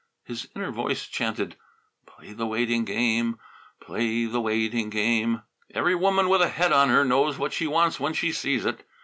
His inner voice chanted, "Play the waiting game; play the waiting game." "Every woman with a head on her knows what she wants when she sees it.